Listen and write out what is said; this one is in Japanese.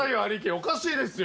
おかしいですよ。